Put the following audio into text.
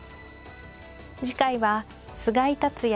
次回は菅井竜也